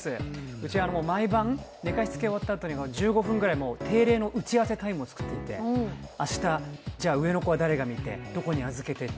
うち毎晩、寝かしつけ終わったあとに１５分ぐらい、定例の打ち合わせタイムを作っていて明日、上の子は誰が見てどこに預けてって。